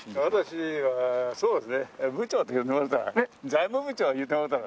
財務部長言うてもらったら。